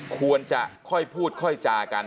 ควรจะค่อยพูดค่อยจากัน